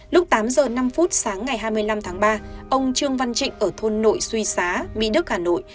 lúc tám giờ năm phút sáng ngày hai mươi năm tháng ba ông trương văn trịnh ở thôn nội suy xá mỹ đức hà nội